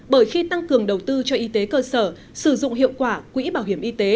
bởi khi tăng cường đầu tư cho y tế cơ sở sử dụng hiệu quả quỹ bảo hiểm y tế